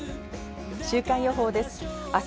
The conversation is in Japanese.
週間予報です。